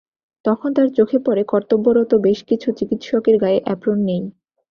তখন তাঁর চোখে পড়ে কর্তব্যরত বেশ কিছু চিকিৎসকের গায়ে অ্যাপ্রোন নেই।